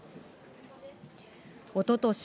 おととし、